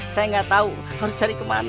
saya nggak tahu harus cari kemana